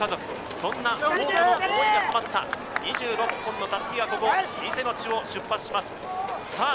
そんな多くの思いが詰まった２６本の襷がここ伊勢の地を出発しますさあ